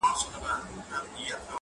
ځوان د تکي زرغونې وني نه لاندي,